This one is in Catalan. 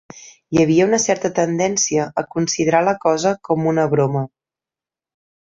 Hi havia una certa tendència a considerar la cosa com una broma